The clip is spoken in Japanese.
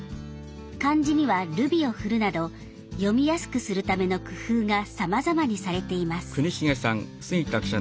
漢字にはルビを振るなど読みやすくするための工夫がさまざまにされています。